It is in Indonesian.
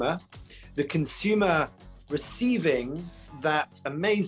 apa yang terlihat adalah